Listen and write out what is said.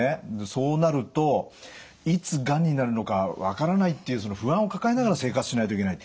そうなるといつがんになるのか分からないっていうその不安を抱えながら生活しないといけない。